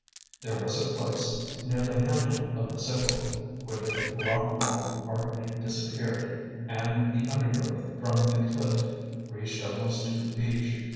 There was a place, near the handle of the sickle, where the rock wall partly disappeared, and the undergrowth from the cliff reached almost to the beach.